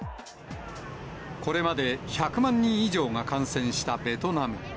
これまで、１００万人以上が感染したベトナム。